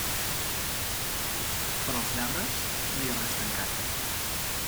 Per als lladres no hi ha res tancat.